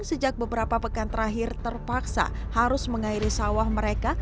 sejak beberapa pekan terakhir terpaksa harus mengairi sawah mereka